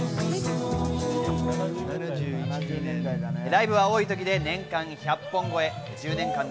ライブは多いときで年間１００本超え！